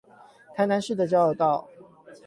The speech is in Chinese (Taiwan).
台南市的交流道